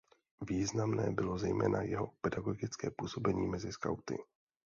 Významné bylo zejména jeho pedagogické působení mezi skauty.